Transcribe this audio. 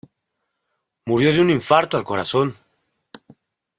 Murió de un infarto al corazón.